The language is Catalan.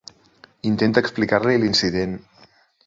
Intenta explicar-li l'incident.